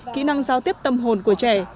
kỹ năng giao tiếp tâm hồn của trẻ